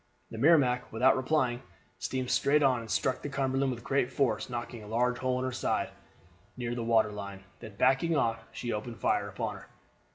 The Merrimac, without replying, steamed straight on and struck the Cumberland with great force, knocking a large hole in her side, near the water line. Then backing off she opened fire upon her.